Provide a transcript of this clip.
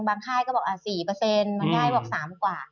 ค่ายก็บอก๔บางค่ายบอก๓กว่า